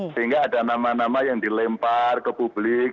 sehingga ada nama nama yang dilempar ke publik